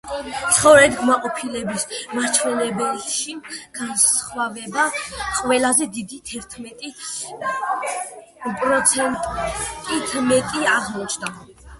ცხოვრებით კმაყოფილების მაჩვენებელში განსხვავება ყველაზე დიდი, თერთმეტი პროცენტით მეტი აღმოჩნდა.